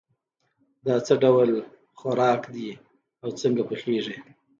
دا څه ډول خوراک ده او څنګه پخیږي